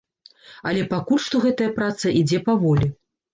Але пакуль што гэтая праца ідзе паволі.